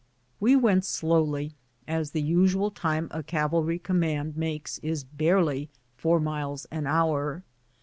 We went slowly as the usual time a cavalry command makes is barely four miles an hour.